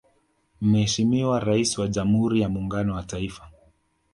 Mheshimiwa Rais wa Jamhuri ya muungano wa Taifa